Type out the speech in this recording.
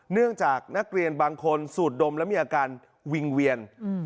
เนื่องจากนักเรียนบางคนสูดดมแล้วมีอาการวิงเวียน